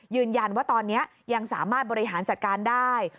ยืนยันว่าตอนนี้ยังสามารถบริหารจัดการได้